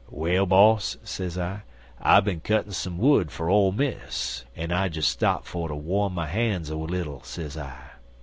"'Well, boss,' sez I, 'I bin cuttin' some wood fer Ole Miss, en I des stop fer ter worn my han's a little,' sez I.